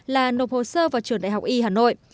là nộp hồ sơ vào trường đại học y hà nội